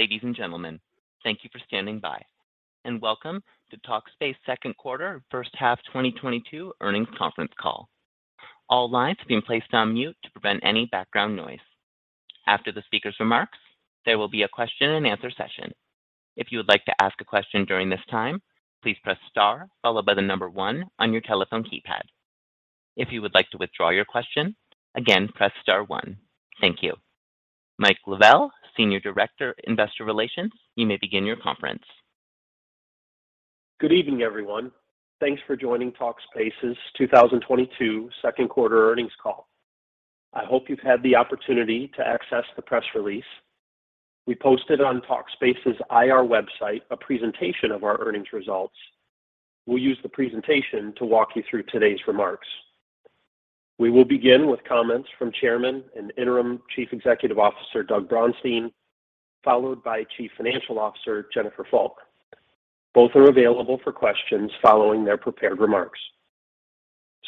Ladies and gentlemen, thank you for standing by, and welcome to Talkspace Second Quarter First Half 2022 Earnings Conference Call. All lines have been placed on mute to prevent any background noise. After the speaker's remarks, there will be a question and answer session. If you would like to ask a question during this time, please press star followed by the number one on your telephone keypad. If you would like to withdraw your question, again, press star one. Thank you. Mike Lovell, Senior Director, Investor Relations, you may begin your conference. Good evening, everyone. Thanks for joining Talkspace's 2022 Second Quarter Earnings Call. I hope you've had the opportunity to access the press release. We posted on Talkspace's IR website a presentation of our earnings results. We'll use the presentation to walk you through today's remarks. We will begin with comments from Chairman and Interim Chief Executive Officer Doug Braunstein, followed by Chief Financial Officer Jennifer Fulk. Both are available for questions following their prepared remarks.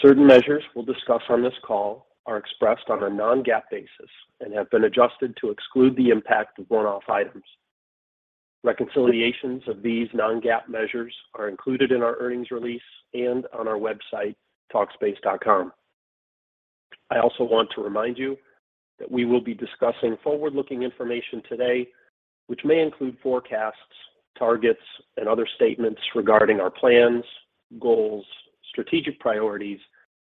Certain measures we'll discuss on this call are expressed on a non-GAAP basis and have been adjusted to exclude the impact of one-off items. Reconciliations of these non-GAAP measures are included in our earnings release and on our website, talkspace.com. I also want to remind you that we will be discussing forward-looking information today, which may include forecasts, targets, and other statements regarding our plans, goals, strategic priorities,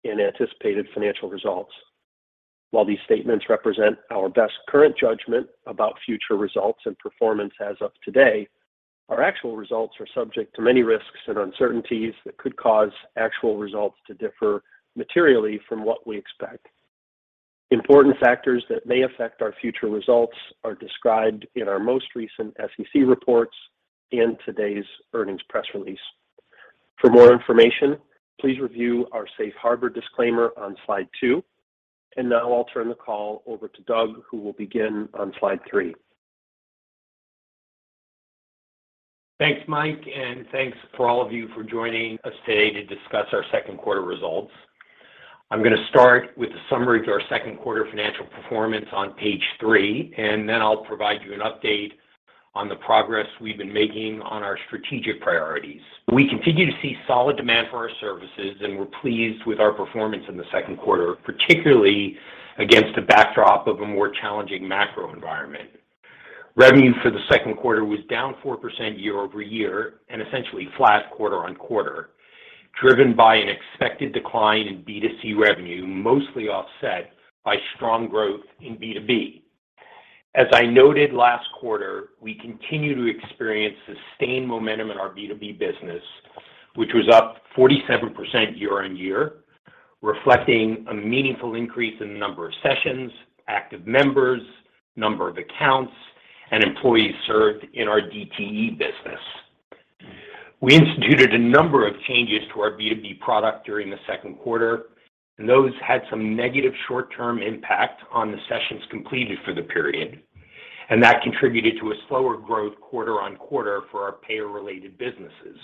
and anticipated financial results. While these statements represent our best current judgment about future results and performance as of today, our actual results are subject to many risks and uncertainties that could cause actual results to differ materially from what we expect. Important factors that may affect our future results are described in our most recent SEC reports and today's earnings press release. For more information, please review our Safe Harbor disclaimer on slide 2. Now I'll turn the call over to Doug, who will begin on slide 3. Thanks, Mike, and thanks for all of you for joining us today to discuss our second quarter results. I'm gonna start with a summary of our second quarter financial performance on page three, and then I'll provide you an update on the progress we've been making on our strategic priorities. We continue to see solid demand for our services, and we're pleased with our performance in the second quarter, particularly against the backdrop of a more challenging macro environment. Revenue for the second quarter was down 4% year-over-year and essentially flat quarter-over-quarter, driven by an expected decline in B2C revenue, mostly offset by strong growth in B2B. As I noted last quarter, we continue to experience sustained momentum in our B2B business, which was up 47% year-on-year, reflecting a meaningful increase in the number of sessions, active members, number of accounts, and employees served in our DTE business. We instituted a number of changes to our B2B product during the second quarter, and those had some negative short-term impact on the sessions completed for the period. That contributed to a slower growth quarter-on-quarter for our payer-related businesses.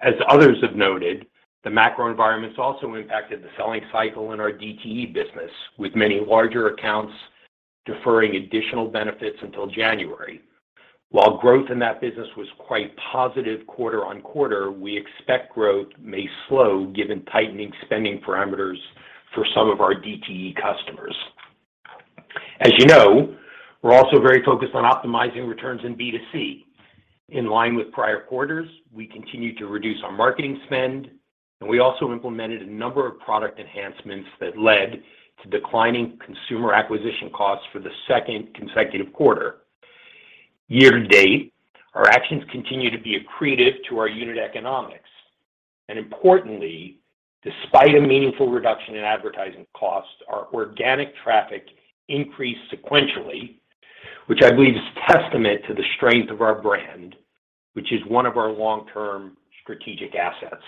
As others have noted, the macro environment's also impacted the selling cycle in our DTE business, with many larger accounts deferring additional benefits until January. While growth in that business was quite positive quarter-on-quarter, we expect growth may slow given tightening spending parameters for some of our DTE customers. As you know, we're also very focused on optimizing returns in B2C. In line with prior quarters, we continue to reduce our marketing spend, and we also implemented a number of product enhancements that led to declining consumer acquisition costs for the second consecutive quarter. Year to date, our actions continue to be accretive to our unit economics. Importantly, despite a meaningful reduction in advertising costs, our organic traffic increased sequentially, which I believe is testament to the strength of our brand, which is one of our long-term strategic assets.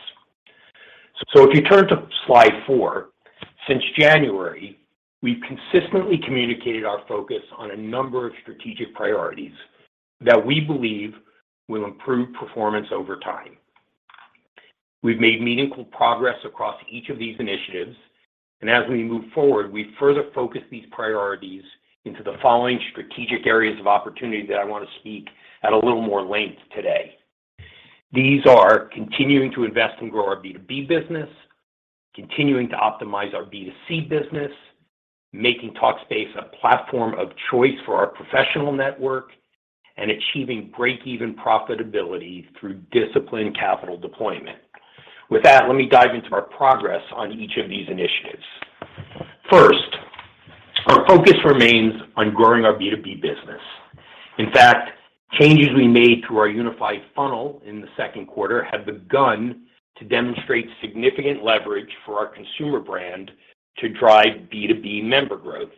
If you turn to slide 4, since January, we've consistently communicated our focus on a number of strategic priorities that we believe will improve performance over time. We've made meaningful progress across each of these initiatives, and as we move forward, we further focus these priorities into the following strategic areas of opportunity that I want to speak at a little more length today. These are continuing to invest and grow our B2B business, continuing to optimize our B2C business, making Talkspace a platform of choice for our professional network, and achieving break-even profitability through disciplined capital deployment. With that, let me dive into our progress on each of these initiatives. First, our focus remains on growing our B2B business. In fact, changes we made to our unified funnel in the second quarter have begun to demonstrate significant leverage for our consumer brand to drive B2B member growth.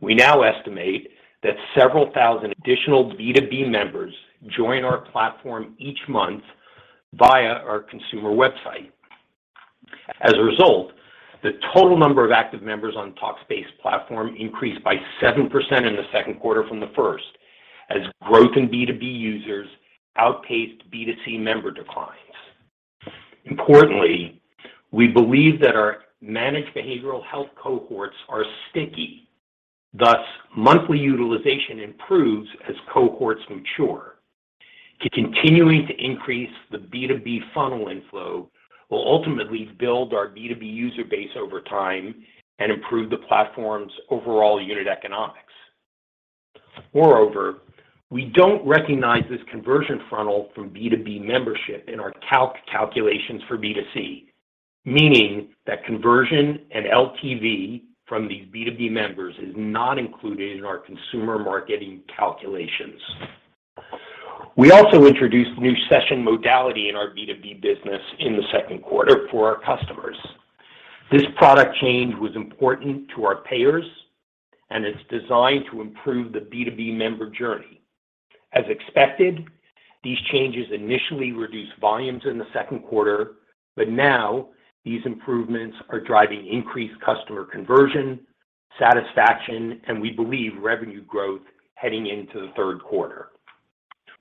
We now estimate that several thousand additional B2B members join our platform each month via our consumer website. As a result, the total number of active members on Talkspace platform increased by 7% in the second quarter from the first as growth in B2B users outpaced B2C member decline. Importantly, we believe that our managed behavioral health cohorts are sticky. Thus, monthly utilization improves as cohorts mature. Continuing to increase the B2B funnel inflow will ultimately build our B2B user base over time and improve the platform's overall unit economics. Moreover, we don't recognize this conversion funnel from B2B membership in our CAC calculations for B2C. Meaning that conversion and LTV from these B2B members is not included in our consumer marketing calculations. We also introduced new session modality in our B2B business in the second quarter for our customers. This product change was important to our payers, and it's designed to improve the B2B member journey. As expected, these changes initially reduced volumes in the second quarter, but now these improvements are driving increased customer conversion, satisfaction, and we believe revenue growth heading into the third quarter.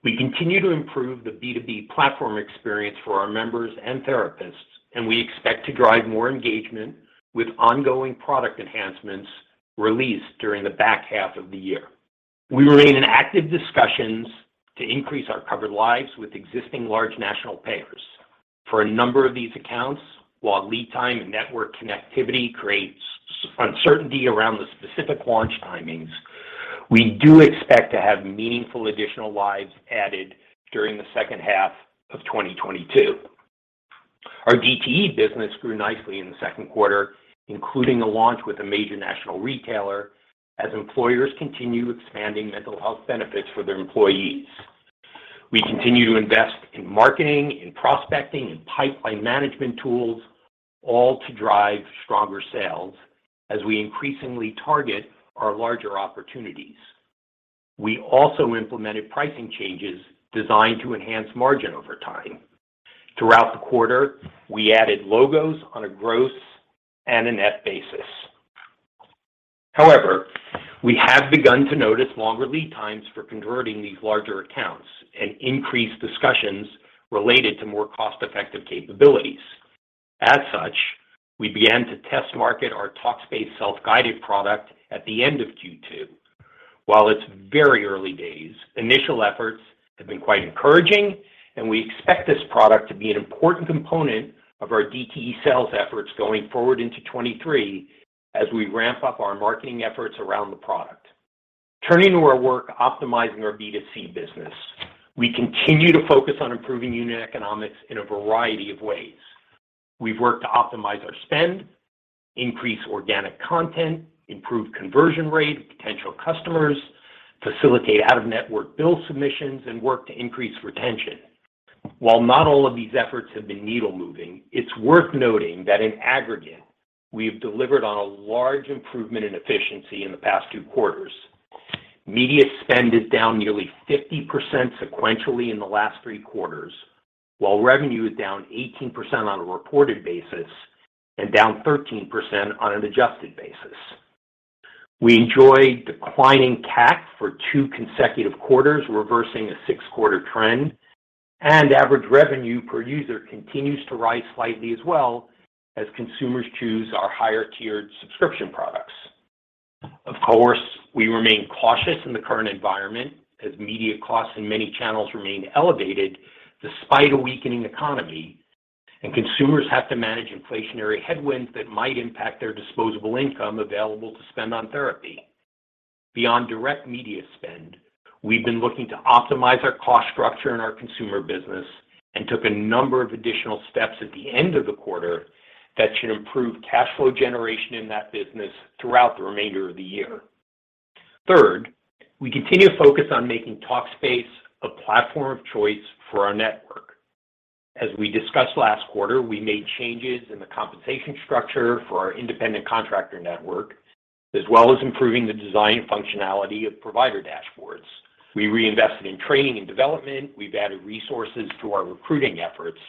We continue to improve the B2B platform experience for our members and therapists, and we expect to drive more engagement with ongoing product enhancements released during the back half of the year. We remain in active discussions to increase our covered lives with existing large national payers. For a number of these accounts, while lead time and network connectivity creates uncertainty around the specific launch timings, we do expect to have meaningful additional lives added during the second half of 2022. Our DTE business grew nicely in the second quarter, including a launch with a major national retailer as employers continue expanding mental health benefits for their employees. We continue to invest in marketing, in prospecting, in pipeline management tools, all to drive stronger sales as we increasingly target our larger opportunities. We also implemented pricing changes designed to enhance margin over time. Throughout the quarter, we added logos on a gross and a net basis. However, we have begun to notice longer lead times for converting these larger accounts and increased discussions related to more cost-effective capabilities. As such, we began to test market our Talkspace Self-Guided product at the end of Q2. While it's very early days, initial efforts have been quite encouraging, and we expect this product to be an important component of our DTE sales efforts going forward into 2023 as we ramp up our marketing efforts around the product. Turning to our work optimizing our B2C business. We continue to focus on improving unit economics in a variety of ways. We've worked to optimize our spend, increase organic content, improve conversion rate of potential customers, facilitate out-of-network bill submissions, and work to increase retention. While not all of these efforts have been needle moving, it's worth noting that in aggregate, we have delivered on a large improvement in efficiency in the past 2 quarters. Media spend is down nearly 50% sequentially in the last 3 quarters, while revenue is down 18% on a reported basis and down 13% on an adjusted basis. We enjoy declining CAC for 2 consecutive quarters, reversing a 6-quarter trend, and average revenue per user continues to rise slightly as well as consumers choose our higher-tiered subscription products. Of course, we remain cautious in the current environment as media costs in many channels remain elevated despite a weakening economy, and consumers have to manage inflationary headwinds that might impact their disposable income available to spend on therapy. Beyond direct media spend, we've been looking to optimize our cost structure in our consumer business and took a number of additional steps at the end of the quarter that should improve cash flow generation in that business throughout the remainder of the year. Third, we continue to focus on making Talkspace a platform of choice for our network. As we discussed last quarter, we made changes in the compensation structure for our independent contractor network, as well as improving the design and functionality of provider dashboards. We reinvested in training and development. We've added resources to our recruiting efforts.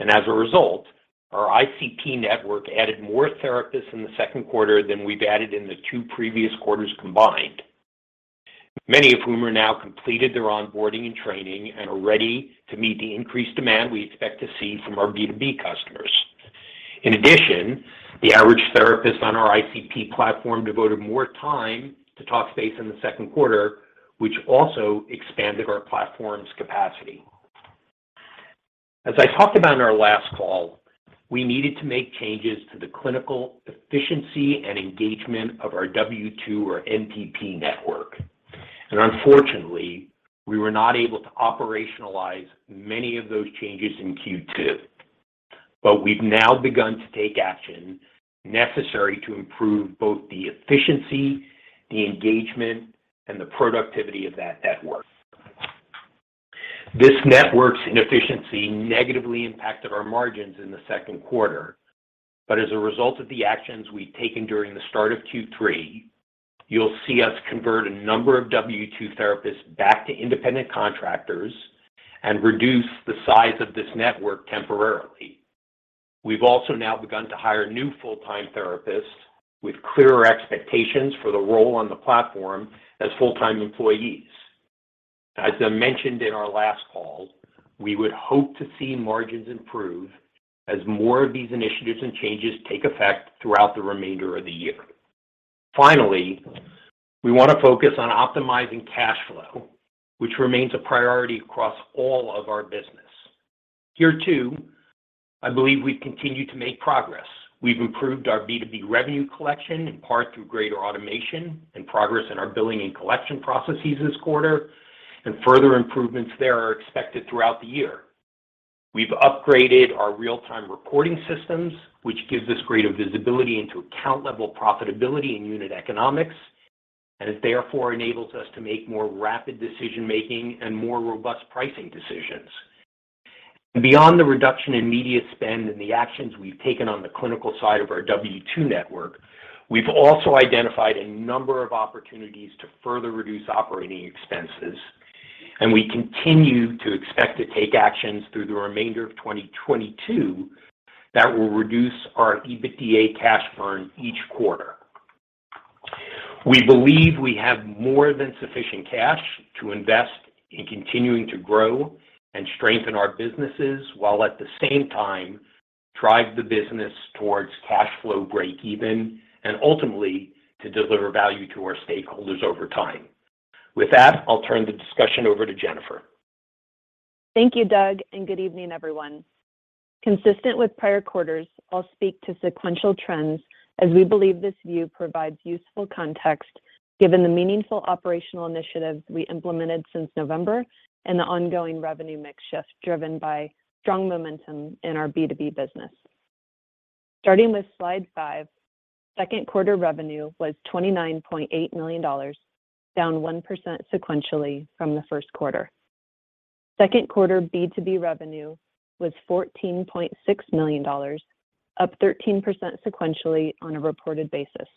As a result, our ICP network added more therapists in the second quarter than we've added in the two previous quarters combined. Many of whom are now completed their onboarding and training and are ready to meet the increased demand we expect to see from our B2B customers. In addition, the average therapist on our ICP platform devoted more time to Talkspace in the second quarter, which also expanded our platform's capacity. As I talked about in our last call, we needed to make changes to the clinical efficiency and engagement of our W-2 or NTP network. Unfortunately, we were not able to operationalize many of those changes in Q2. We've now begun to take action necessary to improve both the efficiency, the engagement, and the productivity of that network. This network's inefficiency negatively impacted our margins in the second quarter. As a result of the actions we've taken during the start of Q3, you'll see us convert a number of W-2 therapists back to independent contractors and reduce the size of this network temporarily. We've also now begun to hire new full-time therapists with clearer expectations for the role on the platform as full-time employees. As I mentioned in our last call, we would hope to see margins improve as more of these initiatives and changes take effect throughout the remainder of the year. Finally, we wanna focus on optimizing cash flow, which remains a priority across all of our business. Here too, I believe we've continued to make progress. We've improved our B2B revenue collection, in part through greater automation and progress in our billing and collection processes this quarter, and further improvements there are expected throughout the year. We've upgraded our real-time reporting systems, which gives us greater visibility into account-level profitability and unit economics, and it therefore enables us to make more rapid decision-making and more robust pricing decisions. Beyond the reduction in media spend and the actions we've taken on the clinical side of our W-2 network. We've also identified a number of opportunities to further reduce operating expenses, and we continue to expect to take actions through the remainder of 2022 that will reduce our EBITDA cash burn each quarter. We believe we have more than sufficient cash to invest in continuing to grow and strengthen our businesses, while at the same time drive the business towards cash flow breakeven and ultimately to deliver value to our stakeholders over time. With that, I'll turn the discussion over to Jennifer. Thank you, Doug, and good evening, everyone. Consistent with prior quarters, I'll speak to sequential trends as we believe this view provides useful context given the meaningful operational initiatives we implemented since November and the ongoing revenue mix shift driven by strong momentum in our B2B business. Starting with slide 5, second quarter revenue was $29.8 million, down 1% sequentially from the first quarter. Second quarter B2B revenue was $14.6 million, up 13% sequentially on a reported basis.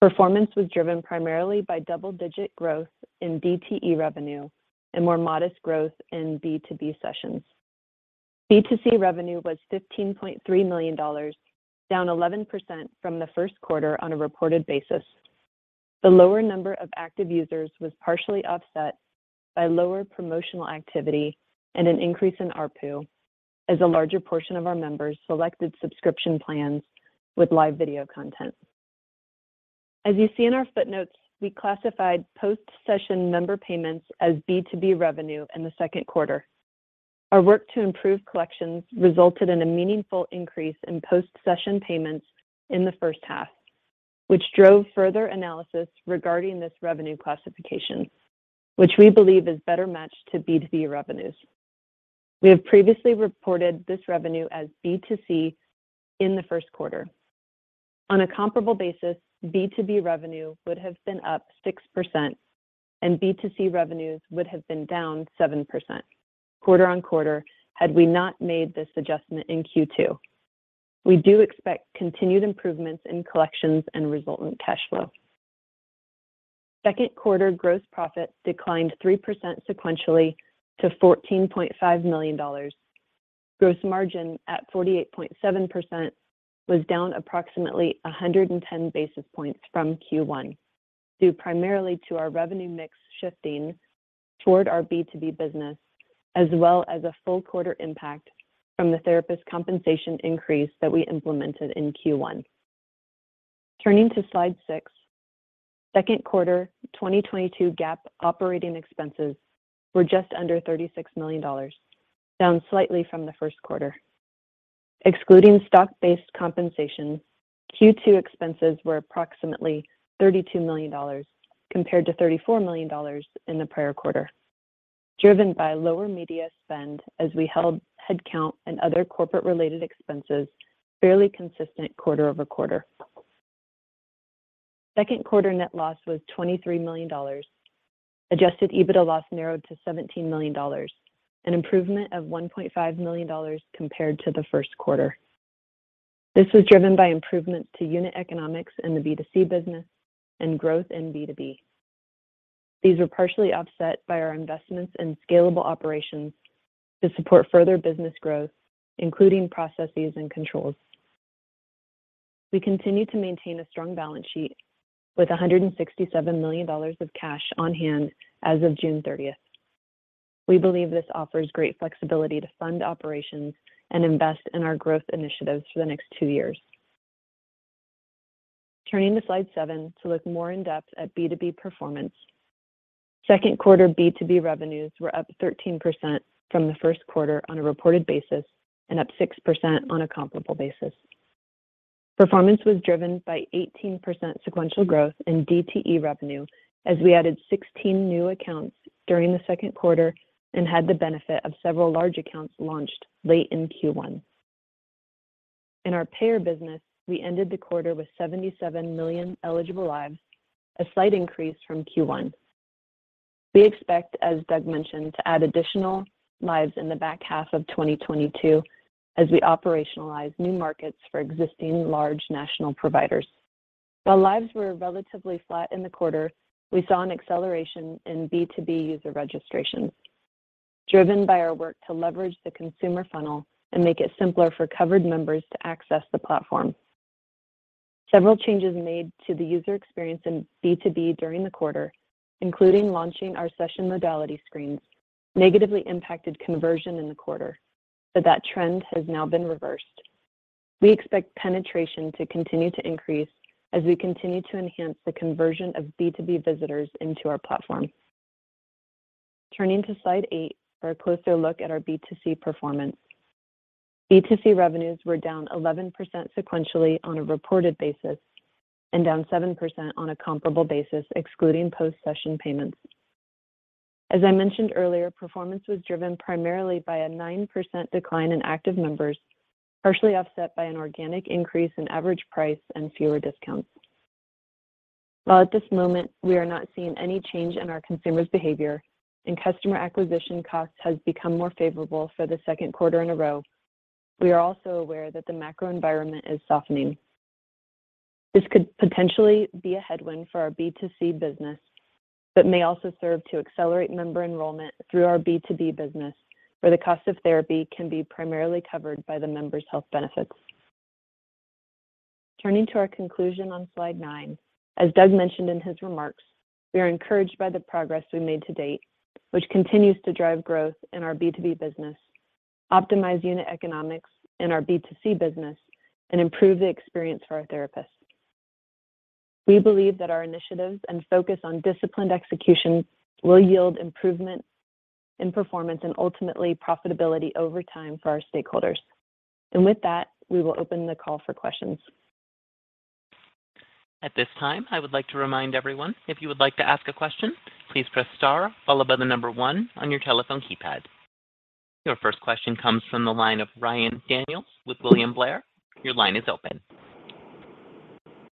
Performance was driven primarily by double-digit growth in DTE revenue and more modest growth in B2B sessions. B2C revenue was $15.3 million, down 11% from the first quarter on a reported basis. The lower number of active users was partially offset by lower promotional activity and an increase in ARPU as a larger portion of our members selected subscription plans with live video content. As you see in our footnotes, we classified post-session member payments as B2B revenue in the second quarter. Our work to improve collections resulted in a meaningful increase in post-session payments in the first half, which drove further analysis regarding this revenue classification, which we believe is better matched to B2B revenues. We have previously reported this revenue as B2C in the first quarter. On a comparable basis, B2B revenue would have been up 6% and B2C revenues would have been down 7% quarter-over-quarter had we not made this adjustment in Q2. We do expect continued improvements in collections and resultant cash flow. Second quarter gross profits declined 3% sequentially to $14.5 million. Gross margin at 48.7% was down approximately 110 basis points from Q1, due primarily to our revenue mix shifting toward our B2B business as well as a full quarter impact from the therapist compensation increase that we implemented in Q1. Turning to slide 6. Second quarter 2022 GAAP operating expenses were just under $36 million, down slightly from the first quarter. Excluding stock-based compensation, Q2 expenses were approximately $32 million compared to $34 million in the prior quarter, driven by lower media spend as we held headcount and other corporate related expenses fairly consistent quarter-over-quarter. Second quarter net loss was $23 million. Adjusted EBITDA loss narrowed to $17 million, an improvement of $1.5 million compared to the first quarter. This was driven by improvements to unit economics in the B2C business and growth in B2B. These were partially offset by our investments in scalable operations to support further business growth, including processes and controls. We continue to maintain a strong balance sheet with $167 million of cash on hand as of June 30. We believe this offers great flexibility to fund operations and invest in our growth initiatives for the next two years. Turning to slide 7 to look more in depth at B2B performance. Second quarter B2B revenues were up 13% from the first quarter on a reported basis and up 6% on a comparable basis. Performance was driven by 18% sequential growth in DTE revenue as we added 16 new accounts during the second quarter and had the benefit of several large accounts launched late in Q1. In our payer business, we ended the quarter with 77 million eligible lives, a slight increase from Q1. We expect, as Doug mentioned, to add additional lives in the back half of 2022 as we operationalize new markets for existing large national providers. While lives were relatively flat in the quarter, we saw an acceleration in B2B user registrations, driven by our work to leverage the consumer funnel and make it simpler for covered members to access the platform. Several changes made to the user experience in B2B during the quarter, including launching our session modality screens, negatively impacted conversion in the quarter, but that trend has now been reversed. We expect penetration to continue to increase as we continue to enhance the conversion of B2B visitors into our platform. Turning to slide 8 for a closer look at our B2C performance. B2C revenues were down 11% sequentially on a reported basis and down 7% on a comparable basis, excluding post-session payments. As I mentioned earlier, performance was driven primarily by a 9% decline in active members, partially offset by an organic increase in average price and fewer discounts. While at this moment we are not seeing any change in our consumers' behavior and customer acquisition cost has become more favorable for the second quarter in a row, we are also aware that the macro environment is softening. This could potentially be a headwind for our B2C business, but may also serve to accelerate member enrollment through our B2B business, where the cost of therapy can be primarily covered by the member's health benefits. Turning to our conclusion on slide 9. As Doug mentioned in his remarks, we are encouraged by the progress we made to date, which continues to drive growth in our B2B business, optimize unit economics in our B2C business, and improve the experience for our therapists. We believe that our initiatives and focus on disciplined execution will yield improvements in performance and ultimately profitability over time for our stakeholders. With that, we will open the call for questions. At this time, I would like to remind everyone, if you would like to ask a question, please press star followed by the number one on your telephone keypad. Your first question comes from the line of Ryan Daniels with William Blair. Your line is open.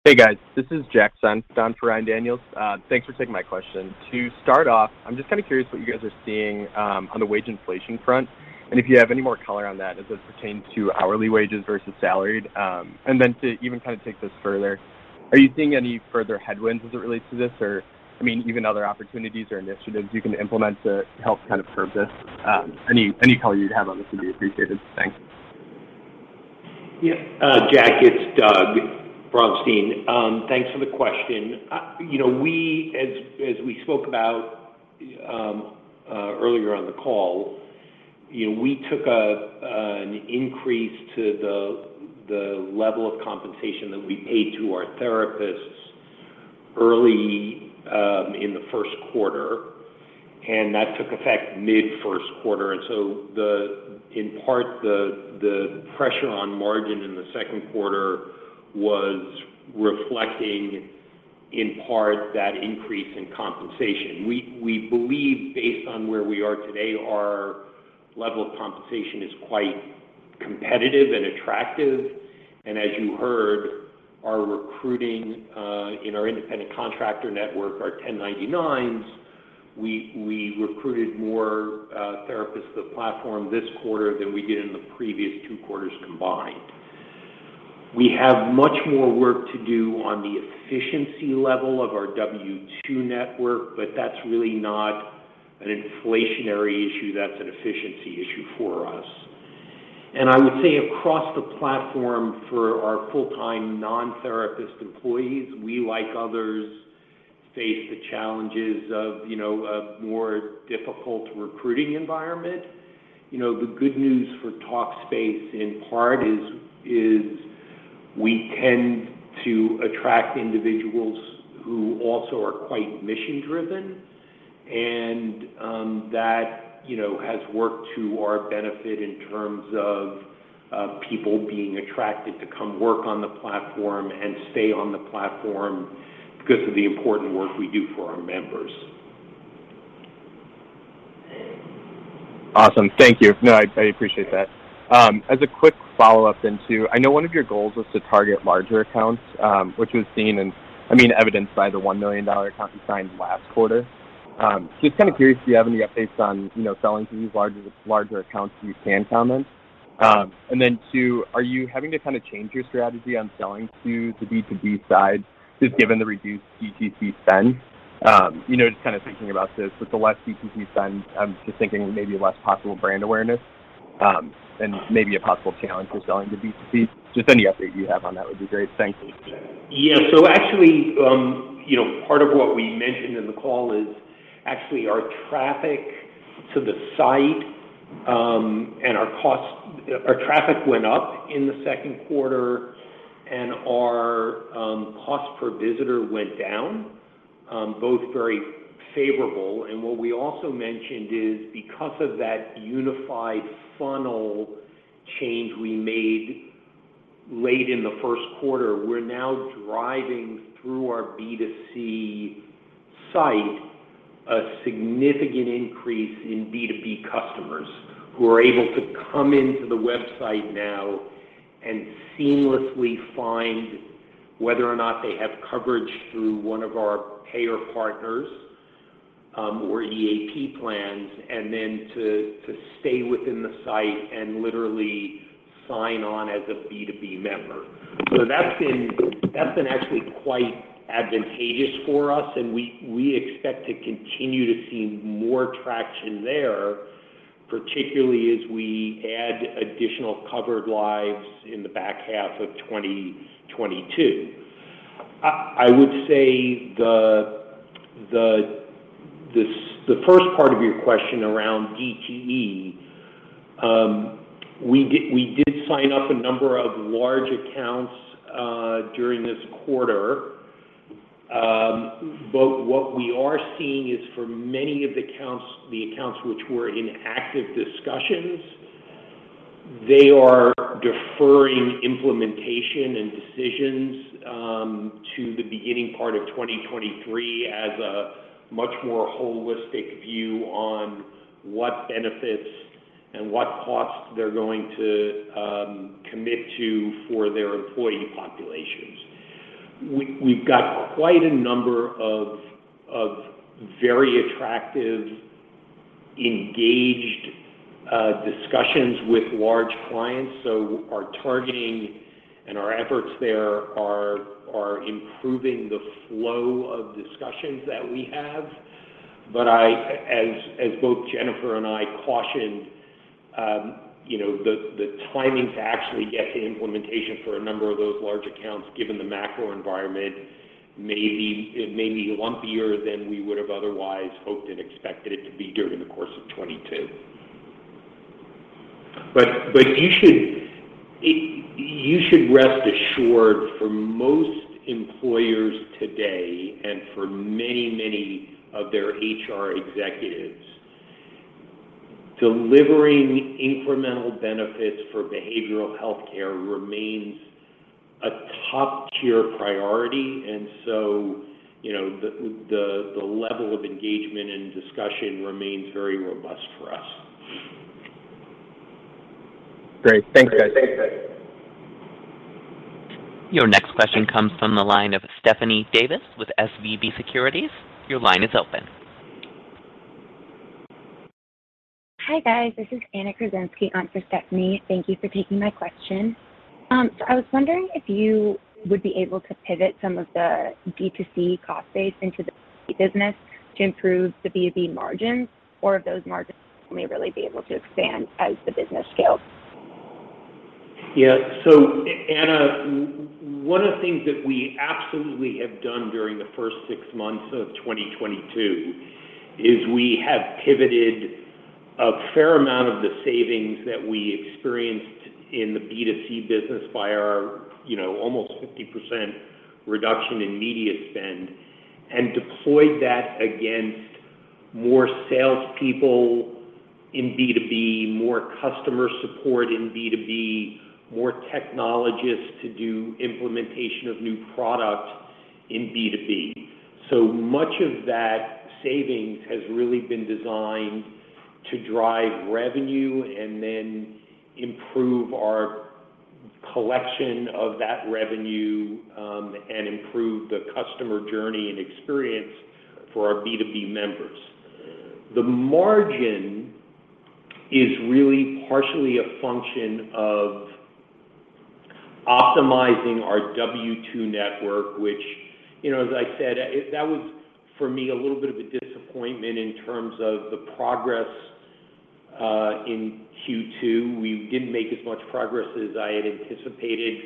Hey, guys. This is Jack Senft for Ryan Daniels. Thanks for taking my question. To start off, I'm just kinda curious what you guys are seeing on the wage inflation front, and if you have any more color on that as it pertains to hourly wages versus salaried. To even kind of take this further, are you seeing any further headwinds as it relates to this? Or, I mean, even other opportunities or initiatives you can implement to help kind of curb this? Any color you'd have on this would be appreciated. Thanks. Yeah, Jack, it's Doug Braunstein. Thanks for the question. You know, as we spoke about earlier on the call, you know, we took an increase to the level of compensation that we paid to our therapists early in the first quarter, and that took effect mid-first quarter. In part, the pressure on margin in the second quarter was reflecting in part that increase in compensation. We believe based on where we are today, our level of compensation is quite competitive and attractive. As you heard, our recruiting in our independent contractor network, our 1099s, we recruited more therapists to the platform this quarter than we did in the previous two quarters combined. We have much more work to do on the efficiency level of our W-2 network, but that's really not an inflationary issue, that's an efficiency issue for us. I would say across the platform for our full-time non-therapist employees, we, like others, face the challenges of, you know, a more difficult recruiting environment. You know, the good news for Talkspace in part is we tend to attract individuals who also are quite mission-driven, and that, you know, has worked to our benefit in terms of people being attracted to come work on the platform and stay on the platform because of the important work we do for our members. Awesome. Thank you. No, I appreciate that. As a quick follow-up. I know one of your goals was to target larger accounts, which, I mean, evidenced by the $1 million account you signed last quarter. Just kinda curious if you have any updates on, you know, selling to these larger accounts you can comment. Then two, are you having to kinda change your strategy on selling to the B2B side just given the reduced B2C spend? You know, just kinda thinking about this, with the less B2C spend, I'm just thinking maybe less possible brand awareness, and maybe a possible challenge for selling to B2C. Just any update you have on that would be great. Thanks. Yeah. Actually, you know, part of what we mentioned in the call is actually our traffic to the site. Our traffic went up in the second quarter and our cost per visitor went down, both very favorable. What we also mentioned is because of that unified funnel change we made late in the first quarter, we're now driving through our B2C site a significant increase in B2B customers who are able to come into the website now and seamlessly find whether or not they have coverage through one of our payer partners, or EAP plans, and then to stay within the site and literally sign on as a B2B member. That's been actually quite advantageous for us, and we expect to continue to see more traction there. Particularly as we add additional covered lives in the back half of 2022. I would say the first part of your question around DTE, we did sign up a number of large accounts during this quarter. But what we are seeing is for many of the accounts which were in active discussions, they are deferring implementation and decisions to the beginning part of 2023 as a much more holistic view on what benefits and what costs they're going to commit to for their employee populations. We've got quite a number of very attractive, engaged discussions with large clients. Our targeting and our efforts there are improving the flow of discussions that we have. As both Jennifer and I cautioned, you know, the timing to actually get to implementation for a number of those large accounts, given the macro environment may be lumpier than we would have otherwise hoped and expected it to be during the course of 2022. You should rest assured for most employers today and for many, many of their HR executives, delivering incremental benefits for behavioral healthcare remains a top-tier priority. You know, the level of engagement and discussion remains very robust for us. Great. Thanks, guys. Your next question comes from the line of Stephanie Davis with SVB Securities. Your line is open. Hi, guys. This is Anna Kruszenski on for Stephanie. Thank you for taking my question. I was wondering if you would be able to pivot some of the D2C cost base into the business to improve the B2B margins, or if those margins may really be able to expand as the business scales. Yeah. Anna, one of the things that we absolutely have done during the first six months of 2022 is we have pivoted a fair amount of the savings that we experienced in the B2C business by our, you know, almost 50% reduction in media spend and deployed that against more salespeople in B2B, more customer support in B2B, more technologists to do implementation of new product in B2B. Much of that savings has really been designed to drive revenue and then improve our collection of that revenue, and improve the customer journey and experience for our B2B members. The margin is really partially a function of optimizing our W-2 network, which, you know, as I said, that was for me a little bit of a disappointment in terms of the progress in Q2. We didn't make as much progress as I had anticipated,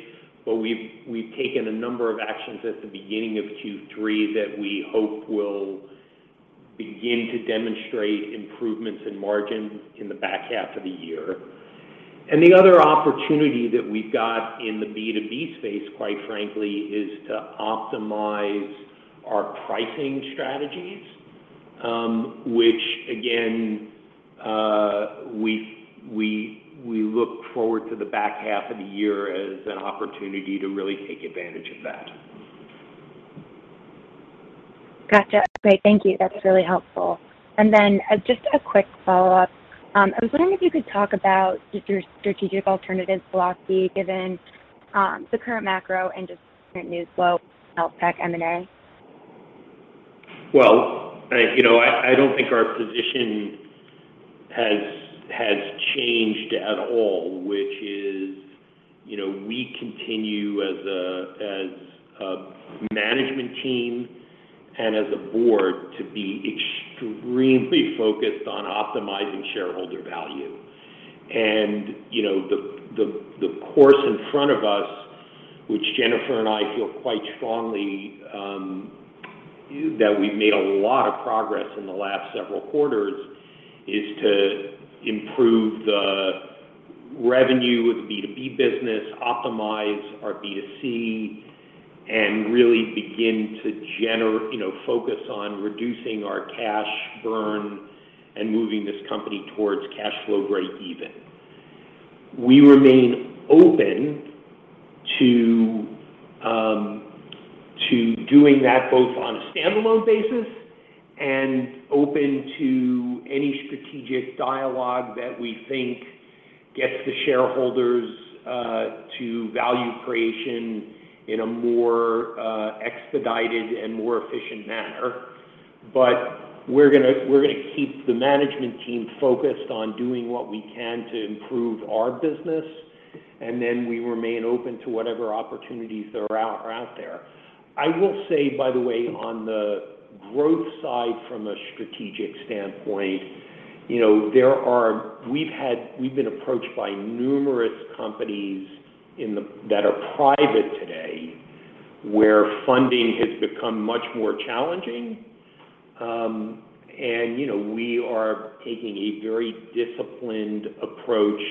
but we've taken a number of actions at the beginning of Q3 that we hope will begin to demonstrate improvements in margins in the back half of the year. The other opportunity that we've got in the B2B space, quite frankly, is to optimize our pricing strategies, which again, we look forward to the back half of the year as an opportunity to really take advantage of that. Gotcha. Okay. Thank you. That's really helpful. Just a quick follow-up. I was wondering if you could talk about just your strategic alternatives philosophy given the current macro and just current news flow, health tech M&A. Well, you know, I don't think our position has changed at all, which is, you know, we continue as a management team and as a board to be extremely focused on optimizing shareholder value. You know, the course in front of us, which Jennifer and I feel quite strongly that we've made a lot of progress in the last several quarters, is to improve the revenue of the B2B business, optimize our B2C, and really begin to you know, focus on reducing our cash burn and moving this company towards cash flow breakeven. We remain open to doing that both on a standalone basis and open to any strategic dialogue that we think gets the shareholders to value creation in a more expedited and more efficient manner. We're gonna keep the management team focused on doing what we can to improve our business, and then we remain open to whatever opportunities are out there. I will say, by the way, on the growth side from a strategic standpoint, you know, we've been approached by numerous companies that are private today where funding has become much more challenging. You know, we are taking a very disciplined approach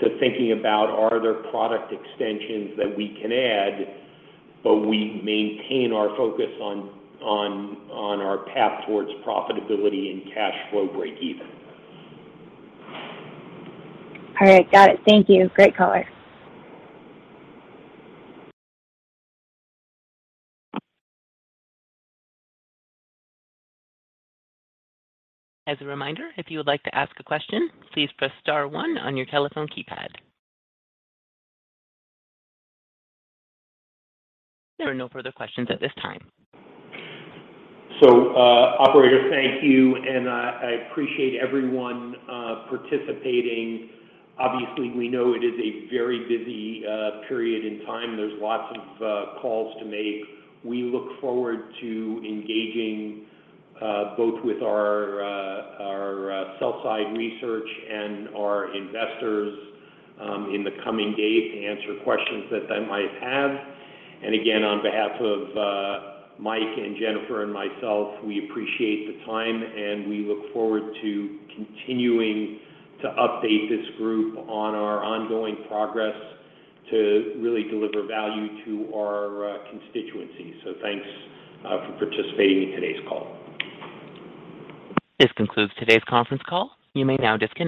to thinking about are there product extensions that we can add, but we maintain our focus on our path towards profitability and cash flow breakeven. All right. Got it. Thank you. Great color. As a reminder, if you would like to ask a question, please press star one on your telephone keypad. There are no further questions at this time. Operator, thank you, and I appreciate everyone participating. Obviously, we know it is a very busy period in time. There's lots of calls to make. We look forward to engaging both with our sell-side research and our investors in the coming days to answer questions that they might have. Again, on behalf of Mike and Jennifer and myself, we appreciate the time, and we look forward to continuing to update this group on our ongoing progress to really deliver value to our constituency. Thanks for participating in today's call. This concludes today's conference call. You may now disconnect.